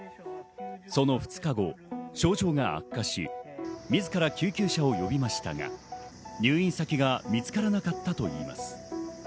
その２日後、症状が悪化し、自ら救急車を呼びましたが、入院先が見つからなかったといいます。